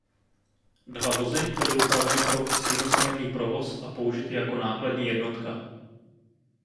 Dva vozy byly upraveny pro stejnosměrný provoz a použity jako nákladní jednotka.